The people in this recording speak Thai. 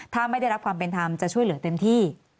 ถ้าไม่ได้รับความเป็นธรรมจะช่วยเหลือเต็มที่